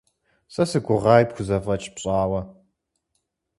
Сэ си гугъаи пхузэфӀэкӀ пщӀауэ.